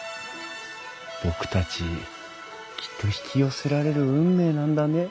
僕たちきっと引き寄せられる運命なんだね。